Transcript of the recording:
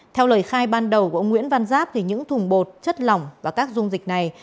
theo lời khai ban đầu của ông nguyễn văn giáp thì những thùng bột chất lỏng và các dung dịch này